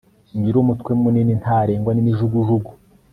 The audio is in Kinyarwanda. nyirumutwe munini ntarengwa n'imijugujugu